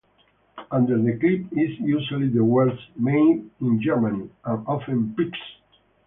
Under the clip is usually the words "Made in Germany" and often "Pix".